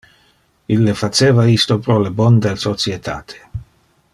Ille faceva isto pro le bon del societate.